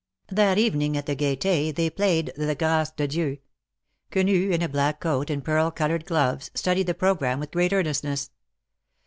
That evening at the Gaiet4 they played the Grace de JDieu, Quenu, in a black coat and pearl colored gloves, studied the programme with great earnestness.